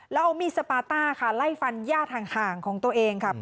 และเอามีซปาต้าค่ะไล่ฟันยาดห่างของตัวเอง